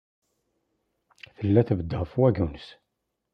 Tella tebded ɣef wagens.